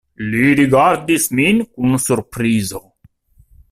Li rigardis min kun surprizo.